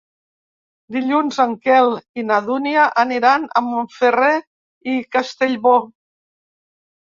Dilluns en Quel i na Dúnia aniran a Montferrer i Castellbò.